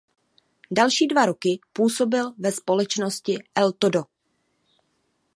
Další dva roky působil ve společnosti Eltodo.